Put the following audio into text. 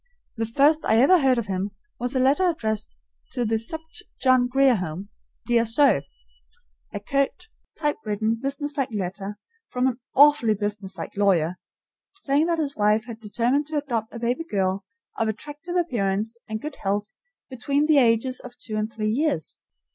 The first I ever heard of him was a letter addressed to the "Supt. John Grier Home, Dear Sir," a curt, typewritten, businesslike letter, from an AWFULLY businesslike lawyer, saying that his wife had determined to adopt a baby girl of attractive appearance and good health between the ages of two and three years.